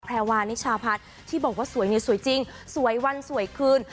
แพรวานิชาพัฒน์ที่บอกว่าสวยเนี่ยสวยจริงสวยวันสวยคืน